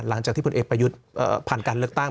หลังจากที่คุณเอกประยุทธ์ผ่านการเลือกตั้ง